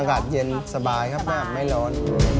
อากาศเย็นสบายครับหน้าไม่ร้อน